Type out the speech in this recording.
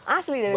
asli dari toba